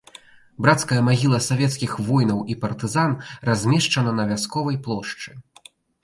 Брацкая магіла савецкіх воінаў і партызан размешчана на вясковай плошчы.